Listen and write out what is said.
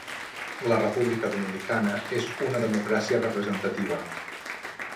La República Dominicana és una democràcia representativa.